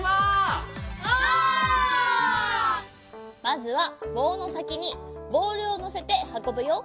まずはぼうのさきにボールをのせてはこぶよ。